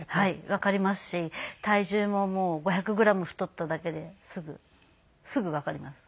わかりますし体重ももう５００グラム太っただけですぐすぐわかります。